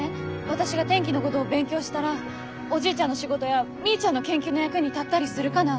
私が天気のごどを勉強したらおじいちゃんの仕事やみーちゃんの研究の役に立ったりするかな？